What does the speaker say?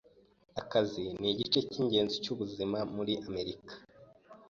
Akazi nigice cyingenzi cyubuzima muri Amerika.